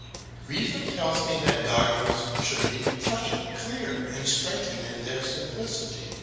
"Reason tells me that dogmas should be plain, clear, and striking in their simplicity.